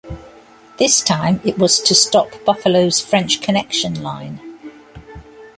This time it was to stop Buffalo's French Connection line.